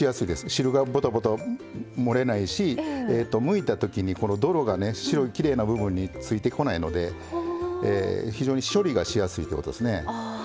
汁が、ぼたぼた漏れないし、むいたときに泥が白いきれいなほうについてこないので非常に処理がしやすいということですね。